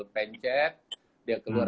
pencet dia keluar